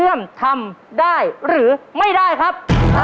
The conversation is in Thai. อุ๊ยได้ครับ